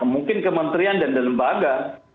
mungkin kementerian dan lembaga